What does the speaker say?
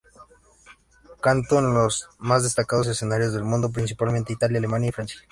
Cantó en los más destacados escenarios del mundo, principalmente Italia, Alemania y Francia.